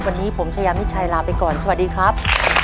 วันนี้ผมชายามิชัยลาไปก่อนสวัสดีครับ